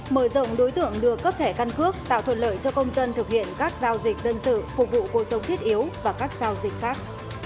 mở rộng đối tượng đưa cấp thẻ căn cước tạo thuận lợi cho công dân thực hiện các giao dịch dân sự phục vụ cuộc sống thiết yếu và các giao dịch khác